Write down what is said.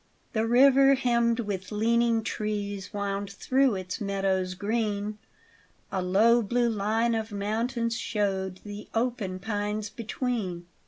The river hemmed with leaning trees Wound through its meadows green; A low, blue line of mountains showed The open pines between.